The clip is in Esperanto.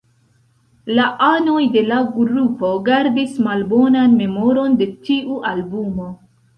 La anoj de la grupo gardis malbonan memoron de tiu albumo.